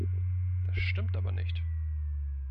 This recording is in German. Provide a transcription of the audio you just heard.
Das stimmt aber nicht.